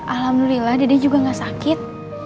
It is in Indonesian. alhamdulillah dede juga gak sakit